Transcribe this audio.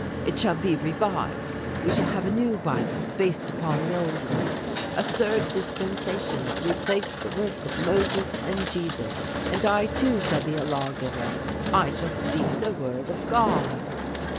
It shall be revived. We shall have a new Bible, based upon the old one, a third dispensation, to replace the work of Moses and Jesus. And I too shall be a lawgiver I shall speak the word of God.'"